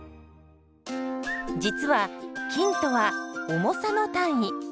実は「斤」とは「重さ」の単位。